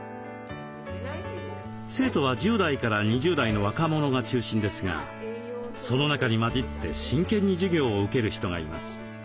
生徒は１０代から２０代の若者が中心ですがその中に交じって真剣に授業を受ける人がいます。